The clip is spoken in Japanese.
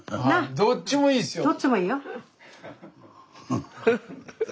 どっちもいいよ。